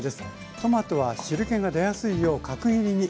トマトは汁けが出やすいよう角切りに。